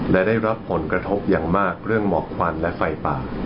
และได้รับผลกระทบอย่างมากเรื่องหมอกควันและไฟป่า